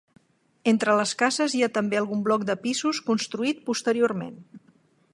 Entre les cases hi ha també algun bloc de pisos construït posteriorment.